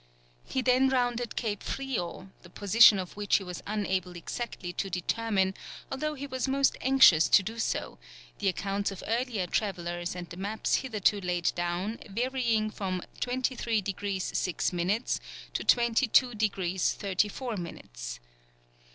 He then rounded Cape Frio, the position of which he was unable exactly to determine although he was most anxious to do so, the accounts of earlier travellers and the maps hitherto laid down varying from 23 degrees 6 minutes to 22 degrees 34 minutes.